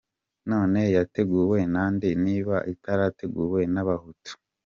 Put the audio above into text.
None yateguwe na nde, niba itarateguwe n’abahutu?